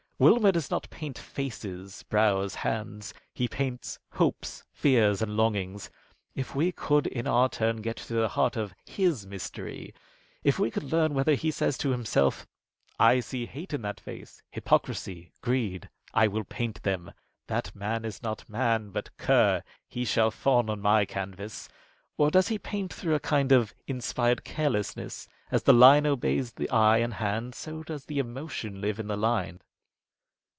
Wilmer does not paint faces, brows, hands. He paints hopes, fears, and longings. If we could, in our turn, get to the heart of his mystery! If we could learn whether he says to himself: "I see hate in that face, hypocrisy, greed. I will paint them. That man is not man, but cur. He shall fawn on my canvas." Or does he paint through a kind of inspired carelessness, and as the line obeys the eye and hand, so does the emotion live in the line?'"